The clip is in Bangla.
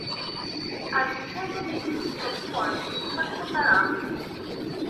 আর দ্বিতীয় যে জিনিসটি চোখে পড়ে, সেটি হচ্ছে তার আঙ্গুল।